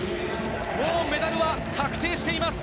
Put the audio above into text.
もうメダルは確定しています。